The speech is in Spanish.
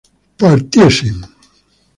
partiesen